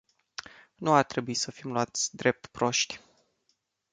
Nu ar trebui să fim luați drept proști.